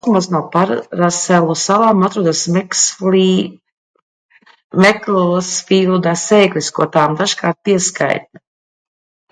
Austrumos no Paraselu salām atrodas Meklsfīlda sēklis, ko tām dažkārt pieskaita.